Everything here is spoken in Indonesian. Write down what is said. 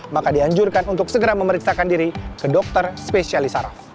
maka dianjurkan untuk segera memeriksakan diri ke dokter spesialis saraf